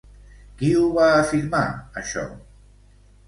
Qui ho va afirmar, això?